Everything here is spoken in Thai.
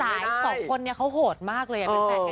สองคนนี้เขาโหดมากเลย